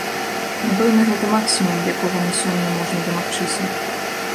Напэўна, гэта максімум, якога на сёння можна дамагчыся.